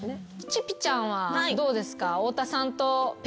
ちぴちゃんはどうですか？